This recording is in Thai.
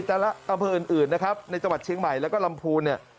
แต่ละอำเภออื่นนะครับในจังหวัดเชียงใหม่แล้วก็ลำพูนเนี่ย